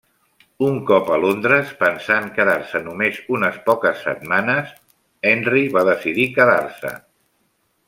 Un cop a Londres, pensant quedar-se només unes poques setmanes, Henry va decidir quedar-se.